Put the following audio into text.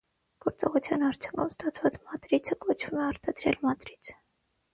Գործողության արդյունքում ստացված մատրիցը կոչվում է արտադրյալ մատրից։